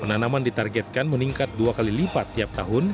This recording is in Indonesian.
penanaman ditargetkan meningkat dua kali lipat tiap tahun